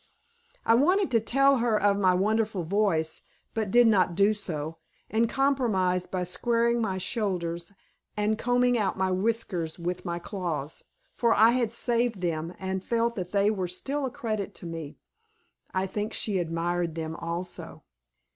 I wanted to tell her of my wonderful voice, but did not do so, and compromised by squaring my shoulders and combing out my whiskers with my claws, for I had saved them and felt that they were still a credit to me. (I think she admired them also.)